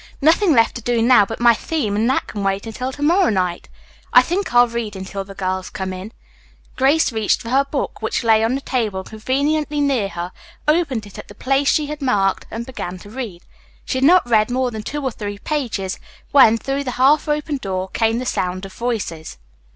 "Nothing left to do now but my theme and that can wait until to morrow night. I think I'll read until the girls come in." Grace reached for her book, which lay on the table conveniently near her, opened it at the place she had marked and began to read. She had not read more than two or three pages when, through the half opened door, came the sound of voices.